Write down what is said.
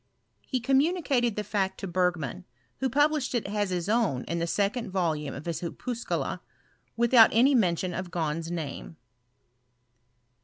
He communicated the fact to Bergman, who published it as his own in the second voluii^ of his Opuscula, urithout any mention of Gahn's name.